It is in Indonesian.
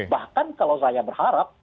bahkan kalau saya berharap